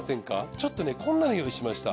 ちょっとねこんなの用意しました。